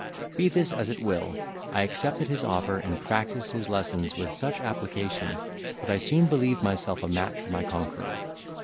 Be this as it will, I accepted his offer and practised his lessons with such application, that I soon believed myself a match for my conqueror.